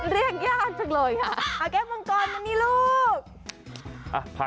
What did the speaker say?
เรียกยากจังเลยค่ะแก้มังกรมานี่ลูก